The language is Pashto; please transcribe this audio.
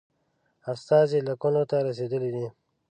استازی لکنهو ته رسېدلی دی.